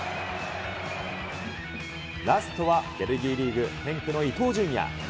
ラストはベルギーリーグ・ヘンクの伊東純也。